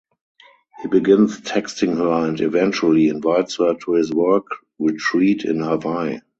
He begins texting her and eventually invites her to his work retreat in Hawaii.